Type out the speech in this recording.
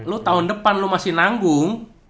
lu tahun depan lu masih nanggung